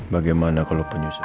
bagaimana kalau penyusup